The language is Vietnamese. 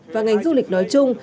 và ngành du lịch nói chung